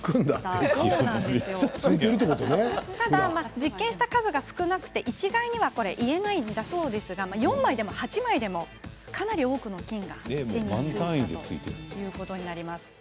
実験した数が少なく一概には言えないそうですが４枚でも８枚でもかなり多くの菌が手についたことになります。